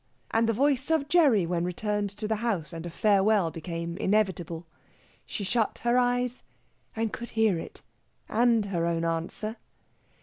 And the voice of Gerry when return to the house and a farewell became inevitable. She shut her eyes, and could hear it and her own answer.